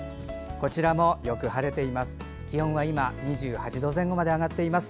こちらもよく晴れています。